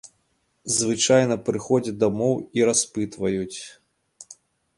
Звычайна прыходзяць дамоў і распытваюць.